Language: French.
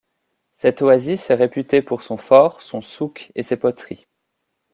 Cette oasis est réputée pour son fort, son souk et ses poteries.